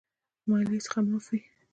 مالیې څخه معاف وي.